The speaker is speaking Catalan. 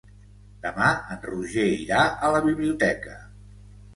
Demà en Roger irà a la biblioteca.